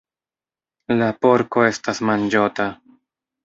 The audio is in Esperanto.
La porko estas manĝota.